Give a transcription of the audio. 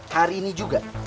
hari ini juga